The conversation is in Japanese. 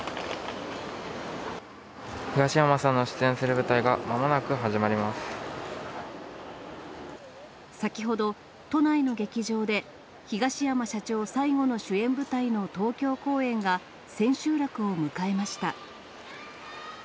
東山さんが出演する舞台が、先ほど、都内の劇場で、東山社長最後の主演舞台の東京公演が千秋楽を迎えました。